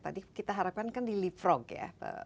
tadi kita harapkan kan di leaffrog ya